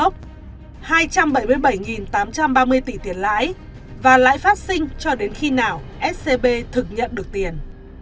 hai trăm bảy mươi bảy tám trăm ba mươi tỷ tiền lãi và lãi phát sinh cho đến khi nào scb thực nhận được tiền